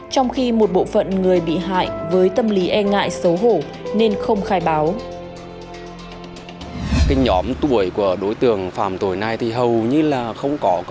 trong khi một bộ phận người bị hại với tâm lý e ngại xấu hổ nên không khai báo